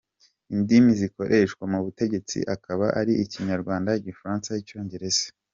Indimi zikoreshwa mu butegetsi akaba ari Ikinyarwanda, Igifaransa n’Icyongereza.